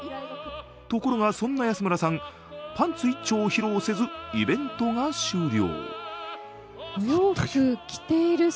ところが、そんな安村さん、パンツ一丁を披露せず、イベントが終了。